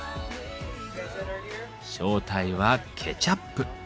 正体はケチャップ。